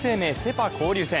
・パ交流戦。